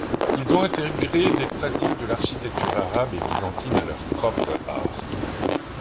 Ils ont intégré des pratiques de l’architecture arabe et byzantine à leur propre art.